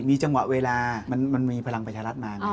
มีจังหวะเวลามันมีพลังประชารัฐมาไง